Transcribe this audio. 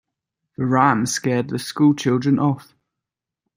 The ram scared the school children off.